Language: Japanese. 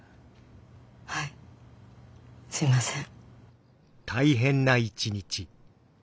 はいすいません。